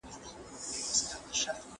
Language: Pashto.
که تجربه کار استاد و نو زده کړه نه سستېږي.